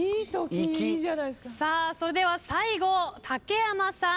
さあそれでは最後竹山さん。